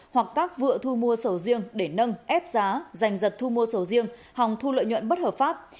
hoặc các vựa thu mua sầu riêng để nâng ép giá dành giật thu mua sầu riêng hòng thu lợi nhuận bất hợp pháp